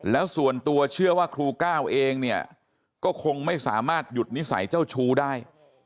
แล้วส่วนตัวเชื่อว่าครูก้าวเองเนี่ยก็คงไม่สามารถหยุดนิสัยเจ้าชู้ได้